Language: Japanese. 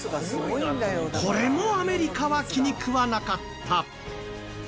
これもアメリカは気に食わなかった。